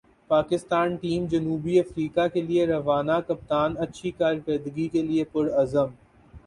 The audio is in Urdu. پاکستان ٹیم جنوبی افریقہ کیلئے روانہ کپتان اچھی کارکردگی کیلئے پر عزم